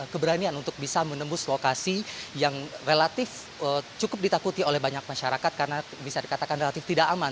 keberanian untuk bisa menembus lokasi yang relatif cukup ditakuti oleh banyak masyarakat karena bisa dikatakan relatif tidak aman